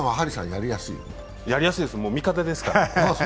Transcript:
やりやすいです、味方ですから。